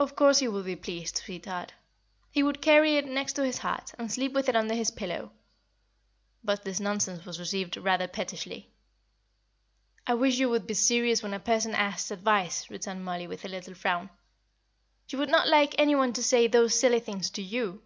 "Of course he would be pleased, sweetheart; he would carry it next to his heart, and sleep with it under his pillow." But this nonsense was received rather pettishly. "I wish you would be serious when a person asks advice," returned Mollie, with a little frown. "You would not like any one to say those silly things to you."